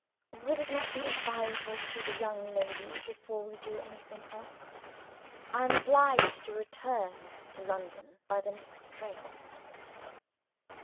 "Would it not be advisable to see the young lady, before we do anything else? I am obliged to return to London by the next train."